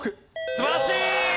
素晴らしい！